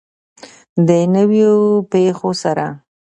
د نویو پیښو سره.